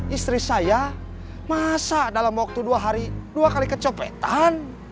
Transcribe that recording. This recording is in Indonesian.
istri saya masa dalam waktu dua hari dua kali kecopetan